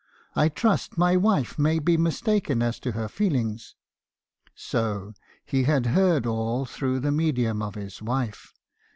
I trust my wife may be mistaken as to her feelings.' "So, he had heard all through the medium of his wife.